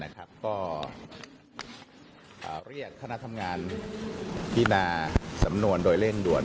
ก็เรียกคณะทำงานพินาสำนวนโดยเร่งด่วน